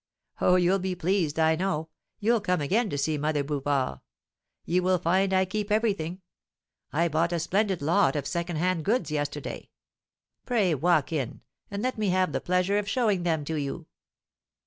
Oh, you'll be pleased, I know, you'll come again to see Mother Bouvard! You will find I keep everything. I bought a splendid lot of second hand goods yesterday. Pray walk in and let me have the pleasure of showing them to you.